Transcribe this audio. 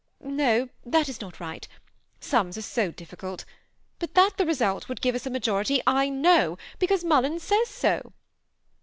No, that is not right, sums are so difficult ; but that the result would give us a majority J know, because Mul lins says 90."